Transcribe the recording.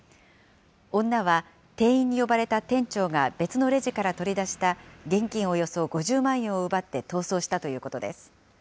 女は店員に呼ばれた店長が別のレジから取り出した現金およそ５０万円を奪って逃走したということです。